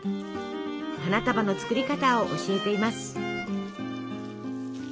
花束の作り方を教えています。